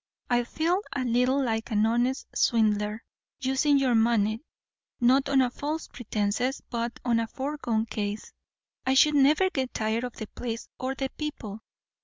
I feel a little like an honest swindler, using your money, not on false pretences, but on a foregone case. I should never get tired of the place or the people.